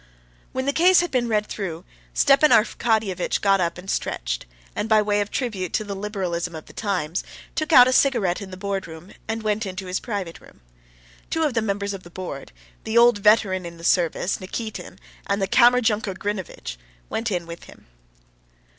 When the case had been read through, Stepan Arkadyevitch got up and stretched, and by way of tribute to the liberalism of the times took out a cigarette in the boardroom and went into his private room. Two of the members of the board, the old veteran in the service, Nikitin, and the Kammerjunker Grinevitch, went in with him.